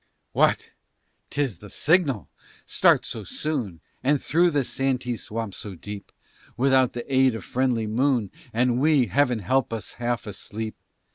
What! 'tis the signal! start so soon, And through the Santee swamp so deep, Without the aid of friendly moon, And we, Heaven help us! half asleep!